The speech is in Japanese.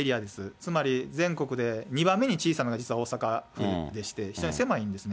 つまり全国で２番目に小さな実は大阪市でして、非常に狭いんですね。